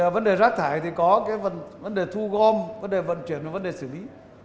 vấn đề rác thải có vấn đề thu gom vấn đề vận chuyển và vấn đề xử lý